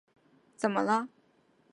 怎么了？